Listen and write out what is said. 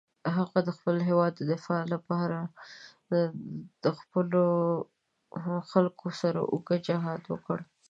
هغه د خپل هېواد د دفاع لپاره د خپلو خلکو سره اوږد جهاد وکړ.